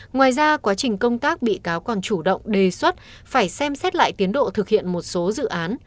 ngoài ra quá trình công tác bị cáo còn chủ động đề xuất phải xem xét lại tiến độ thực hiện một số dự án